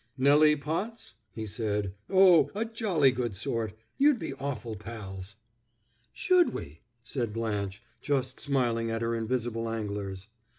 "Nelly Potts?" he said. "Oh, a jolly good sort; you'd be awful pals." "Should we?" said Blanche, just smiling at her invisible anglers.